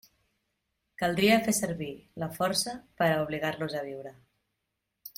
Caldria fer servir la força per a obligar-los a viure.